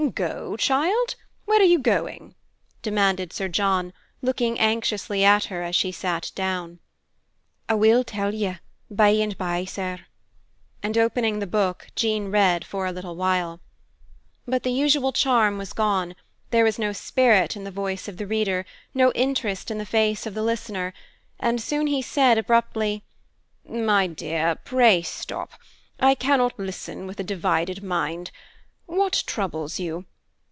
"Go, child! Where are you going?" demanded Sir John, looking anxiously at her as she sat down. "I will tell you by and by, sir." And opening the book, Jean read for a little while. But the usual charm was gone; there was no spirit in the voice of the reader, no interest in the face of the listener, and soon he said, abruptly, "My dear, pray stop! I cannot listen with a divided mind. What troubles you?